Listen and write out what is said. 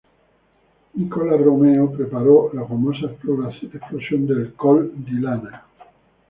Nicola Romeo preparó la famosa explosión del Col di Lana.